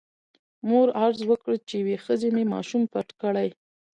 مور عرض وکړ چې یوې ښځې مې ماشوم پټ کړی.